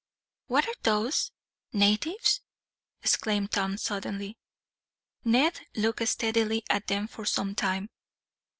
"What are those natives?" exclaimed Tom suddenly. Ned looked steadily at them for some time.